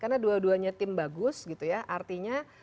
karena kalau dua duanya tim bagus gitu ya artinya